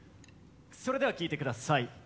それでは聴いてください